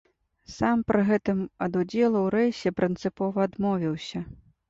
Сам пры гэтым ад удзелу ў рэйсе прынцыпова адмовіўся.